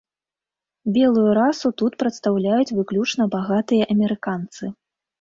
Белую расу тут прадстаўляюць выключна багатыя амерыканцы.